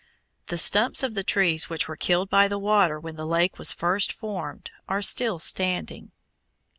The stumps of the trees which were killed by the water when the lake was first formed are still standing.